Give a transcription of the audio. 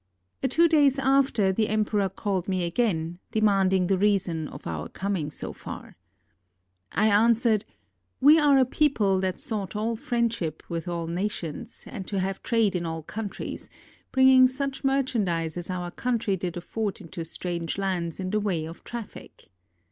A two days after, the emperor called me again, de 326 THE COMING OF WILL ADAMS TO JAPAN manding the reason of our coming so far. I answered: We are a people that sought all friendship with all na tions, and to have trade in all countries, bringing such merchandise as our country did afford into strange lands in the way of traffic.